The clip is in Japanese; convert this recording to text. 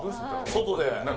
外で。